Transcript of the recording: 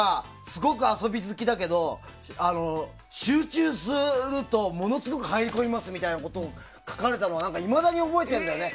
すごく遊び好きだけど集中するとものすごく入り込みますみたいなことを書かれたのをいまだに覚えてるんだよね。